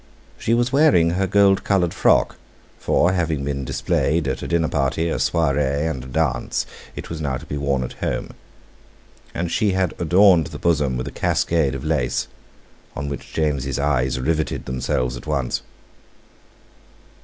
She was wearing her gold coloured frock—for, having been displayed at a dinner party, a soirée, and a dance, it was now to be worn at home—and she had adorned the bosom with a cascade of lace, on which James's eyes riveted themselves at once.